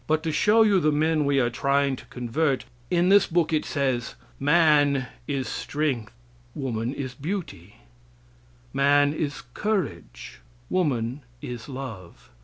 But to show you the men we are trying to convert in this book it says: "Man is strength, woman is beauty; man is courage, woman is love.